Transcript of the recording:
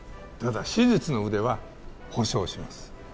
ただ手術の腕は保証します。